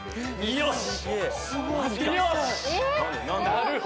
よし！